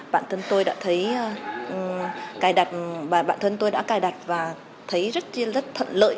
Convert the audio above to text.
bản thân tôi đã thấy bản thân tôi đã cài đặt và thấy rất là thận lợi